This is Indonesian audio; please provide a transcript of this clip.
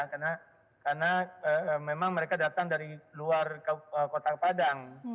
karena memang mereka datang dari luar kota padang